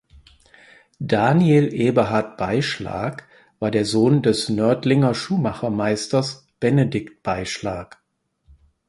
Daniel Eberhard Beyschlag war der Sohn des Nördlinger Schuhmachermeisters Benedikt Beyschlag.